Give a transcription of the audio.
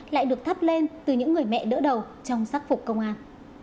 lại được thắp lên từ những người mẹ đỡ đầu trong sắc phục công an